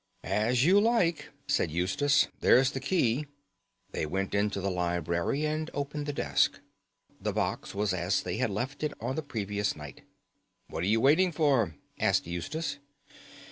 "As you like," said Eustace; "there's the key." They went into the library and opened the desk. The box was as they had left it on the previous night. "What are you waiting for?" asked Eustace.